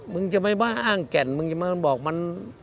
มึงจะไม่บ้าอ้างแก่นมึงจะมาบอกมัน